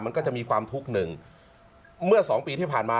มันก็จะมีความทุกข์หนึ่งเมื่อสองปีที่ผ่านมา